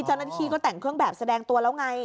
เจ้าหน้าที่ก็แต่งเครื่องแบบแสดงตัวแล้วไง